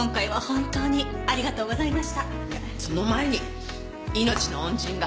いやその前に命の恩人が。